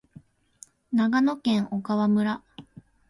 長野県小川村